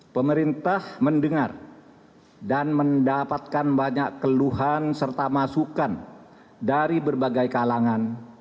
pemerintah mendengar dan mendapatkan banyak keluhan serta masukan dari berbagai kalangan